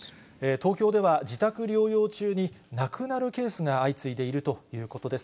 東京では、自宅療養中に亡くなるケースが相次いでいるということです。